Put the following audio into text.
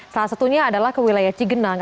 salah satunya adalah ke wilayah cigenang